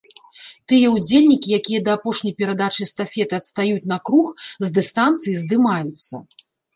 Тыя ўдзельнікі, якія да апошняй перадачы эстафеты адстаюць на круг, з дыстанцыі здымаюцца.